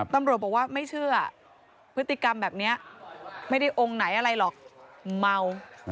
ตำรวจบอกว่าไม่เชื่อพฤติกรรมแบบนี้ไม่ได้องค์ไหนอะไรหรอกเมา